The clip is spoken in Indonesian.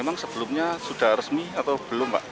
memang sebelumnya sudah resmi atau belum pak